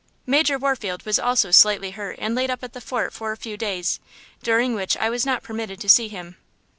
Major Warfield was also slightly hurt and laid up at the fort for a few days, during which I was not permitted to see him."